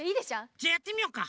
じゃあやってみようか。